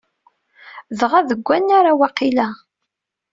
Dɣa, deg unnar-a, waqila.